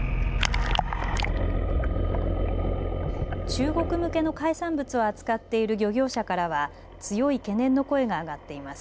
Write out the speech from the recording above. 中国向けの海産物を扱っている漁業者からは強い懸念の声が上がっています。